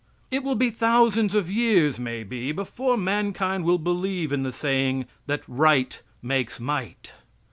It will be thousands of years, may be, before mankind will believe in the saying that "right makes might."